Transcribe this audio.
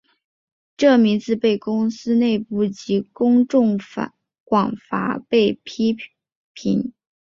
这名字被公司内部及公众广泛被批评。